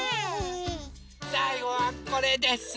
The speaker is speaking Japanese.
さいごはこれです。